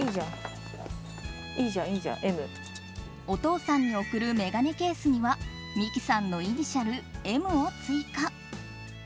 お父さんに贈る眼鏡ケースには未姫さんのイニシャルＭを追加。